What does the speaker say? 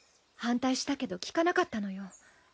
反対したけど聞かなかったのよ。